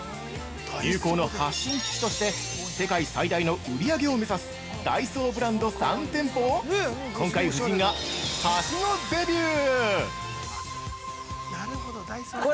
流行の発信基地として世界最大の売り上げを目指すダイソーブランド３店舗を今回、夫人がはしごデビュー！